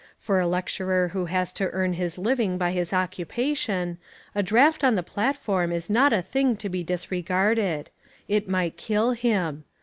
For a lecturer who has to earn his living by his occupation, a draft on the platform is not a thing to be disregarded. It might kill him.